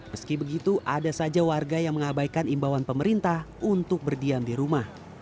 meski begitu ada saja warga yang mengabaikan imbauan pemerintah untuk berdiam di rumah